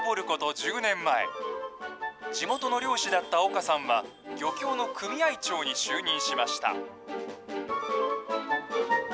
１０年前、地元の漁師だった岡さんは、漁協の組合長に就任しました。